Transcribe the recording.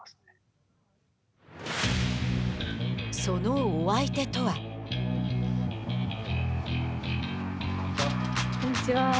そのお相手とは。